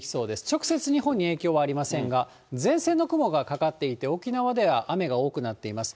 直接日本に影響はありませんが、前線の雲がかかっていて、沖縄では雨が多くなっています。